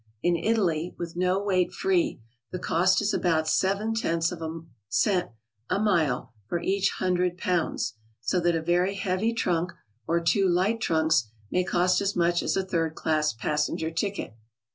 In Italy, with no weight free, the cost is about seven tenths of a cent a mile for each hundred pounds, so thait a very heavy trunk, or two light trunks, may cost as much as a third class passenger ticket.